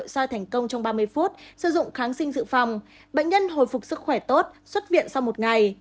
vòng tránh thai được xoay thành công trong ba mươi phút sử dụng kháng sinh dự phòng bệnh nhân hồi phục sức khỏe tốt xuất viện sau một ngày